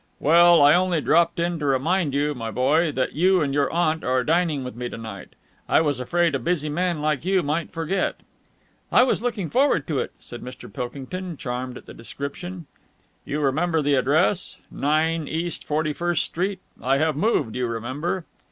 "Well, I only dropped in to remind you, my boy, that you and your aunt are dining with me to night. I was afraid a busy man like you might forget." "I was looking forward to it," said Mr. Pilkington, charmed at the description. "You remember the address? Nine East Forty first Street. I have moved, you remember."